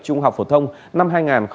trung học phổ thông năm hai nghìn hai mươi